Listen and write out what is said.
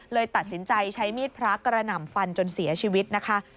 เลยตัดสินใจใช้มีดพระกระหน่ำฟันจนเสียชีวิตนะคะ